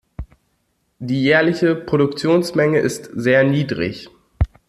Die jährliche Produktionsmenge ist sehr niedrig.